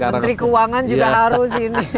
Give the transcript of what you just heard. menteri keuangan juga harus ini